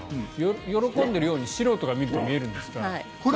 喜んでるように素人が見ると見えるんですが。